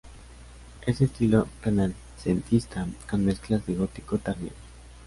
Es de estilo renacentista con mezclas de gótico tardío.